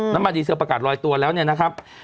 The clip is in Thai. มาดีเซลประกาศลอยตัวแล้วเนี่ยนะครับ